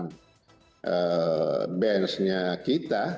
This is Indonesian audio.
di dalam benchnya kita